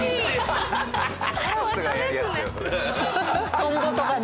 トンボとかね。